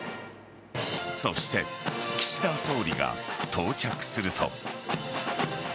そして岸田総理が到着すると。